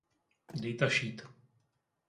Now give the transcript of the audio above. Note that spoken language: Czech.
Datasheet